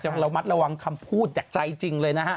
ระมัดระวังคำพูดจากใจจริงเลยนะฮะ